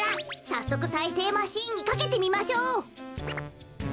さっそくさいせいマシンにかけてみましょう。